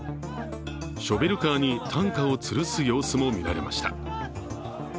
ショベルカーに担架をつるす様子も見られました。